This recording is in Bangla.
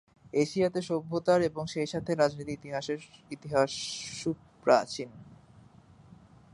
এশিয়াতে সভ্যতার এবং সেই সাথে রাজনীতির ইতিহাস সুপ্রাচীন।